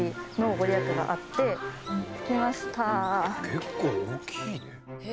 結構大きいね。